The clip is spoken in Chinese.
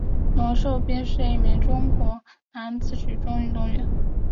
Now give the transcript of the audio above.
刘寿斌是一名中国男子举重运动员。